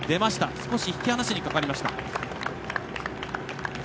少し引き離しにかかりました。